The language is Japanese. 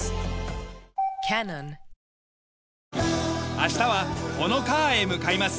明日はホノカアへ向かいます。